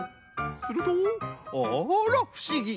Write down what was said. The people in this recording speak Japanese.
するとあらふしぎ！